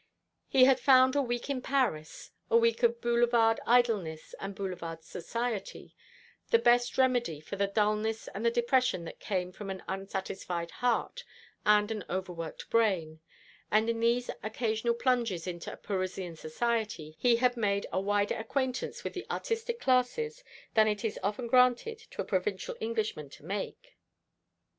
He had found a week in Paris a week of Boulevard idleness and Boulevard society the best remedy for the dulness and the depression that come from an unsatisfied heart and an overworked brain: and in these occasional plunges into Parisian society he had made a wider acquaintance with the artistic classes than it is often granted to a provincial Englishman to make.